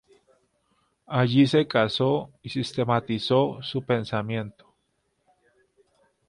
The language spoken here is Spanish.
Allí se casó y sistematizó su pensamiento.